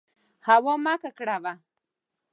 هوا مه ککړوه.